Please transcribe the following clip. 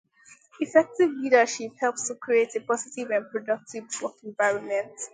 Effective leadership helps to create a positive and productive work environment.